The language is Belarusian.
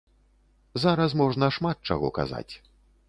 Зараз можна шмат чаго казаць.